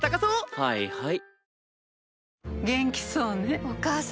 はいはい。